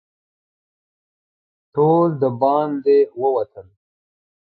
ټول د باندې ووتل.